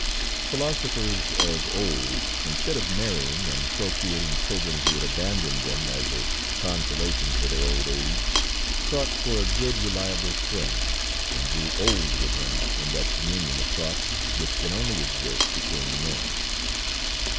Philosophers of old, instead of marrying and pro creating children who would abandon them as a consolation for their old age, sought for a good, reliable friend, and grew old with him in that communion of thought which can only exist between men.